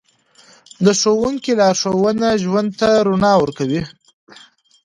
د ښوونکي لارښوونه ژوند ته رڼا ورکوي.